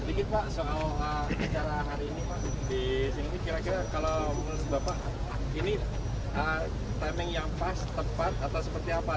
di sini kira kira kalau menurut bapak ini timing yang pas tepat atau seperti apa